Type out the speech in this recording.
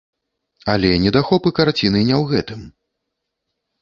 Але недахопы карціны не ў гэтым.